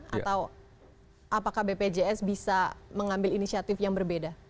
atau apakah bpjs bisa mengambil inisiatif yang berbeda